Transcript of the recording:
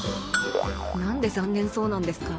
なんで残念そうなんですか。